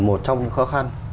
một trong những khó khăn